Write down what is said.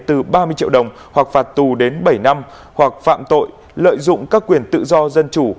từ ba mươi triệu đồng hoặc phạt tù đến bảy năm hoặc phạm tội lợi dụng các quyền tự do dân chủ